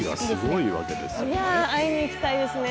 いやあ会いに行きたいですね。